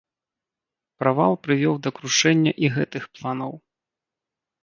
Правал прывёў да крушэння і гэтых планаў.